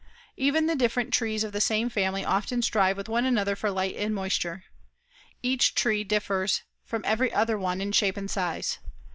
Even the different trees of the same family often strive with one another for light and moisture. Each tree differs from every other one in shape and size.